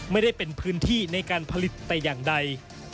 ไม่ได้เป็นพื้นที่ในการผลิตแต่อย่างใด